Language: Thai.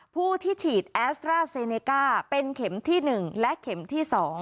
ผู้ที่ฉีดแอสตราเซเนก้าเป็นเข็มที่๑และเข็มที่๒